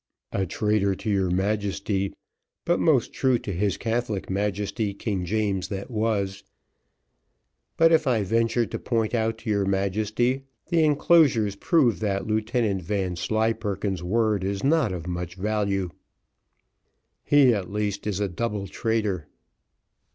"A traitor to your Majesty, but most true to his Catholic Majesty, King James that was. But if I venture to point out to your Majesty, the enclosures prove that Lieutenant Vanslyperken's word is not of much value. He, at least, is a double traitor."